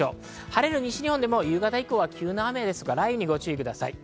晴れる西日本でも夕方以降、急な雨や雷雨に注意してください。